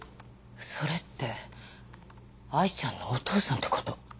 それって藍ちゃんのお父さんってこと？